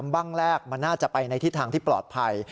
บ้างแรกมันน่าจะไปในทิศทางที่ปลอดภัย